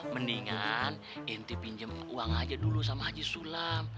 mendingan lo pinjem uang aja dulu sama haji sulam